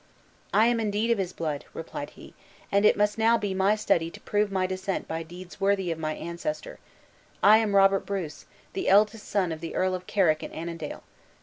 "I am indeed of his blood," replied he; "and it must now be my study to prove my descent by deeds worthy of my ancestor. I am Robert Bruce, the eldest son of the Earl of Carrick and Annandale.